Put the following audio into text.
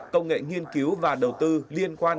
công nghệ nghiên cứu và đầu tư liên quan